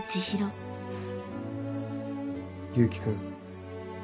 勇気君。